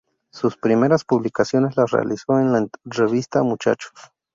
Sus primeras publicaciones las realizó en la revista "Muchachos".